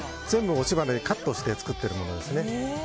全部、押し花でカットして作っているものですね。